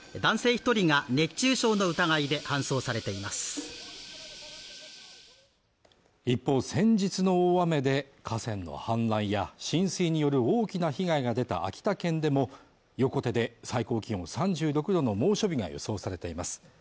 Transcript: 一人が熱中症の疑いで搬送されています一方先日の大雨で河川の氾濫や浸水による大きな被害が出た秋田県でも横手で最高気温３６度の猛暑日が予想されています